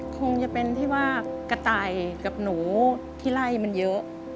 คงจะเป็นที่ว่ากระต่ายกับหนูที่ไล่มันเยอะ